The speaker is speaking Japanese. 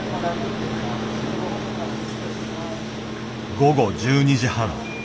午後１２時半。